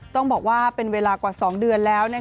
ต้องบอกว่าเป็นเวลากว่า๒เดือนแล้ว